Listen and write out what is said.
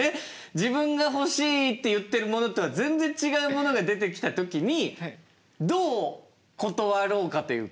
自分が欲しいって言ってるものとは全然違うものが出てきた時にどう断ろうかというか。